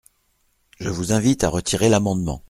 Je vous invite à retirer l’amendement.